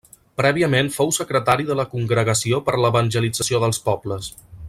Prèviament fou secretari de la Congregació per a l’evangelització dels pobles.